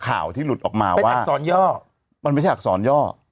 ข่าวที่หลุดออกมาว่าอักษรย่อมันไม่ใช่อักษรย่อ